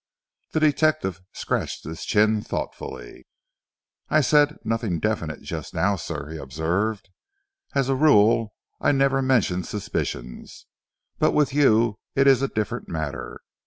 The detective scratched his chin thoughtfully. "I said 'nothing definite' just now, sir," he observed. "As a rule, I never mention suspicions, but with you it is a different matter.